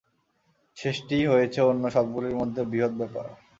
শেষটিই হয়েছে অন্য সবগুলির মধ্যে বৃহৎ ব্যাপার।